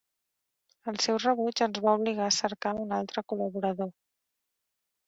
El seu rebuig ens va obligar a cercar un altre col·laborador.